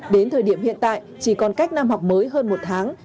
đến thời điểm hiện tại chỉ còn cách năm học mới hơn một tháng